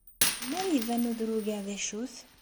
Melmi ara iban udrug-a d acu-t?